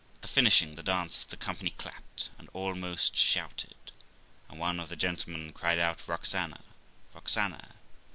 At the finishing the dance, the company clapped, and almost shouted; and one of the gentlemen cried out, ' Roxana ! Roxana